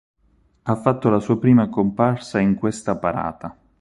Ha fatto la sua prima comparsa in questa parata.